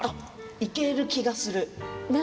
いける気がする？